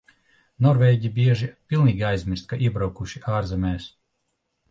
Norvēģi bieži pilnīgi aizmirst, ka iebraukuši ārzemēs.